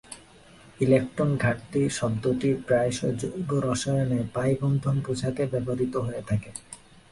Electron ঘাটতি শব্দটি প্রায়শ জৈব রসায়নে পাই-বন্ধন বোঝাতে ব্যবহৃত হয়ে থাকে।